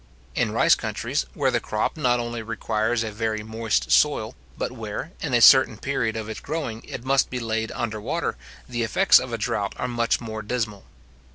In rice countries, where the crop not only requires a very moist soil, but where, in a certain period of its growing, it must be laid under water, the effects of a drought are much more dismal.